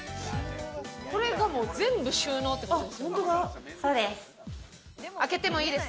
これがもう全部収納ってことそうです。